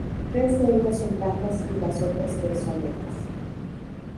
Tres de ellas son blancas y las otras tres son negras.